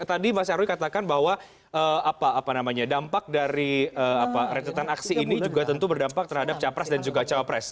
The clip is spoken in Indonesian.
tadi mas nyarwi katakan bahwa dampak dari rentetan aksi ini juga tentu berdampak terhadap capres dan juga cawapres